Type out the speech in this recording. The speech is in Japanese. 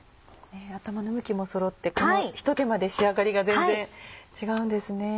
頭の向きもそろってこのひと手間で仕上がりが全然違うんですね。